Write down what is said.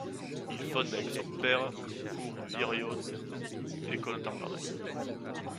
Il fonde avec son père le Cours Viriot, école d'art dramatique.